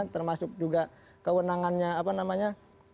termasuk juga kewenangannya apa namanya